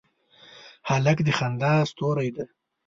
هلک د خندا ستوری دی.